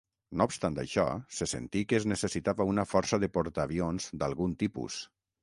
No obstant això, se sentí que es necessitava una força de portaavions d'algun tipus.